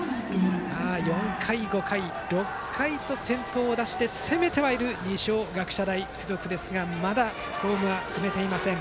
４回、５回、６回に先頭を出して攻めてはいる二松学舎大付属ですがまだホームは踏めていません。